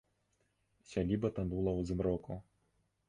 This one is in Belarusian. Сяліба танула ў змроку.